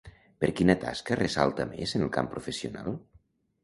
Per quina tasca ressalta més en el camp professional?